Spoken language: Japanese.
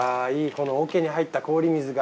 この桶に入った氷水が。